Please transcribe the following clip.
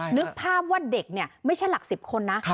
นึกภาพว่าเด็กเนี่ยไม่ใช่หลัก๑๐คนนะ